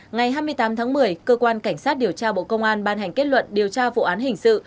ngày hai mươi tám tháng một mươi cơ quan cảnh sát điều tra bộ công an ban hành kết luận điều tra vụ án hình sự